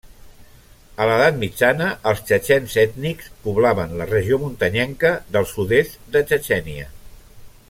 A l'edat mitjana els txetxens ètnics poblaven la regió muntanyenca del sud-est de Txetxènia.